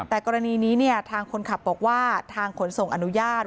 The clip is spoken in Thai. แต่กรณีนี้ทางคนขับบอกว่าทางขนส่งอนุญาต